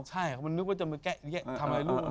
ใช่เขามันนึกว่าจะมาแกะเหี้ยทำร้ายลูก